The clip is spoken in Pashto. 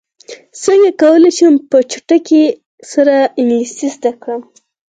څنګه کولی شم په چټکۍ سره انګلیسي زده کړم